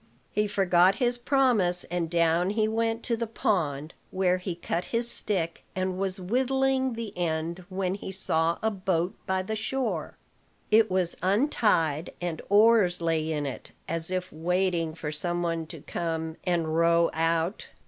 He forgot his promise, and down he went to the pond; where he cut his stick, and was whittling the end, when he saw a boat by the shore. It was untied, and oars lay in it, as if waiting for some one to come and row out.